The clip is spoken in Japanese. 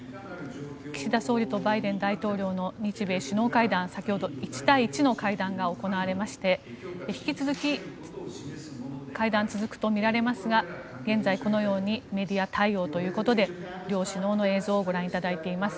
岸田総理とバイデン大統領の日米首脳会談先ほど１対１の会談が行われまして引き続き会談、続くとみられますが現在、このようにメディア対応ということで両首脳の映像をご覧いただいています。